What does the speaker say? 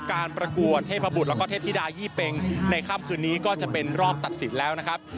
ประกวดเทพบุตรแล้วก็เทพธิดายี่เป็งในค่ำคืนนี้ก็จะเป็นรอบตัดสินแล้วนะครับ